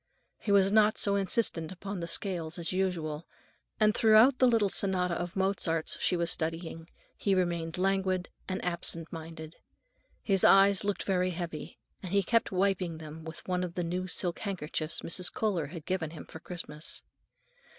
He was not so insistent upon the scales as usual, and throughout the little sonata of Mozart's she was studying, he remained languid and absent minded. His eyes looked very heavy, and he kept wiping them with one of the new silk handkerchiefs Mrs. Kohler had given him for Christmas.